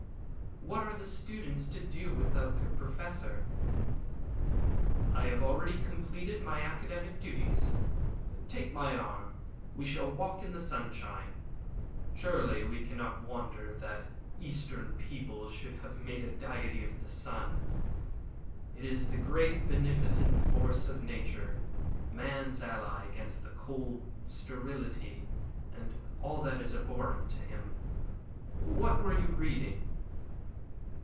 "What are the students to do without their Professor?" "I have already completed my academic duties. Take my arm, and we shall walk in the sunshine. Surely we cannot wonder that Eastern people should have made a deity of the sun. It is the great beneficent force of Nature man's ally against cold, sterility, and all that is abhorrent to him. What were you reading?"